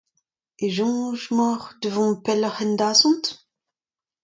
En soñj emaocʼh da vont pellocʼh en dazont ?